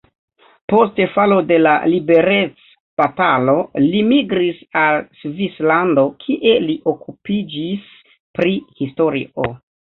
Post falo de la liberecbatalo li migris al Svislando, kie li okupiĝis pri historio.